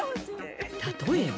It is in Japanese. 例えば。